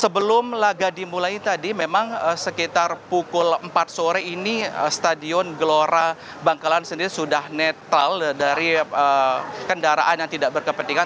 sebelum laga dimulai tadi memang sekitar pukul empat sore ini stadion gelora bangkalan sendiri sudah netral dari kendaraan yang tidak berkepentingan